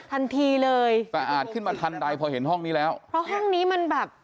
ทันทีเลยสะอาดขึ้นมาทันใดพอเห็นห้องนี้แล้วเพราะห้องนี้มันแบบ